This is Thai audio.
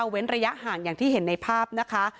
เว้นระยะห่างอย่างที่เห็นในภาพนะคะ